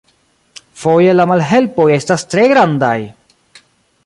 Foje la malhelpoj estas tre grandaj!